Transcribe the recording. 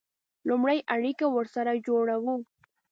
لومړی اړیکه ورسره جوړوو.